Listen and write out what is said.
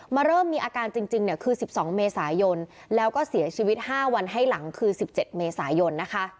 เริ่มมีอาการจริงคือ๑๒เมษายนแล้วก็เสียชีวิต๕วันให้หลังคือ๑๗เมษายนนะคะ